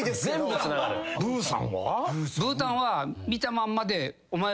ブーたんは。